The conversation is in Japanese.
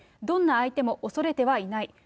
どんな相手も恐れてはいない。